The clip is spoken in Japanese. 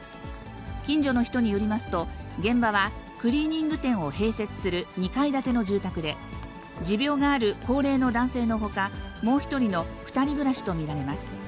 近所の人によりますと、現場はクリーニング店を併設する２階建ての住宅で、持病がある高齢の男性のほか、もう１人の２人暮らしと見られます。